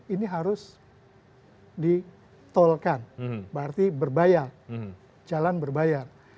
ini harus ditolkan berarti berbayar jalan berbayar